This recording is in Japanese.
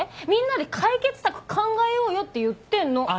みんなで解決策考えようよって言ってんの。